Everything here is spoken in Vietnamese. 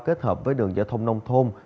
kết hợp với đường giao thông nông thôn